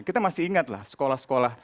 kita masih ingatlah sekolah sekolah